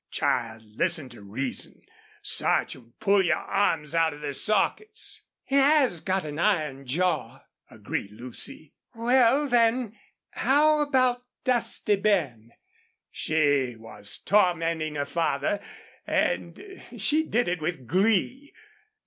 "Child, listen to reason. Sarch would pull your arms out of their sockets." "He has got an iron jaw," agreed Lucy. "Well, then how about Dusty Ben?" She was tormenting her father and she did it with glee.